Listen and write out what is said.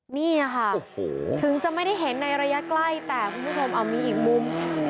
นี่ค่ะถึงจะไม่ได้เห็นในระยะใกล้แต่คุณผู้ชมเอามีอีกมุม